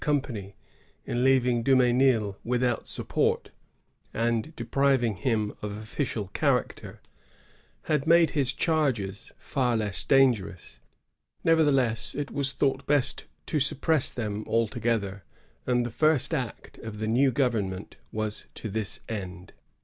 [i^^ pany, in leaving Dumesnil without supporty and depriving him of official character, had made his charges &r less dangerous. Nevertheless, it was thought best to suppress them altogether, and the first act of the new government was to this end.